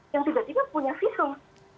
yang tiba tiba punya visum